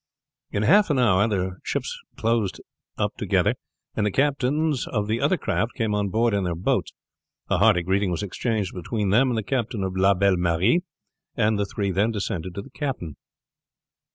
In half an hour the ships closed up together, and the captains of the other crafts came on board in their boats. A hearty greeting was exchanged between them and the captain of La Belle Marie, and the three then descended to the cabin.